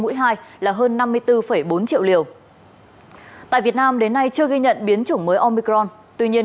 mũi hai là hơn năm mươi bốn bốn triệu liều tại việt nam đến nay chưa ghi nhận biến chủng mới omicron tuy nhiên